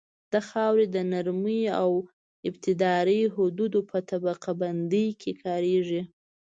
د خاورې د نرمۍ او ابدارۍ حدود په طبقه بندۍ کې کاریږي